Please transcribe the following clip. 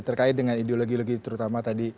terkait dengan ideologi terutama tadi